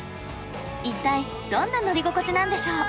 一体どんな乗り心地なんでしょう？